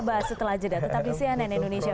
bahas setelah jeda tetap di cnn indonesia